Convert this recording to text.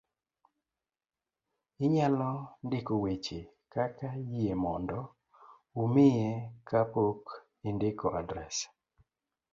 inyalo ndiko weche kaka yie mondo umiye ka pok indiko adres